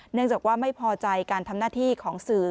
เนื่องจากว่าไม่พอใจการทำหน้าที่ของสื่อ